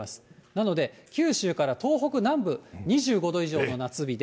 なので、九州から東北、２５度以上の夏日で。